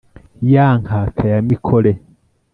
ya nkaka ya mikore,